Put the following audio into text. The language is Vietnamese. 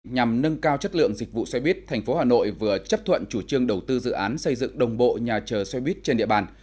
nhằm nâng cao chất lượng dịch vụ xoay bít thành phố hà nội vừa chấp thuận chủ trương đầu tư dự án xây dựng đồng bộ nhà chở xoay bít trên địa bàn